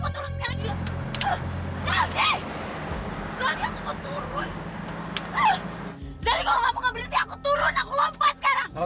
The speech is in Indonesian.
zal diberhentiinmu begini sekarang juga gak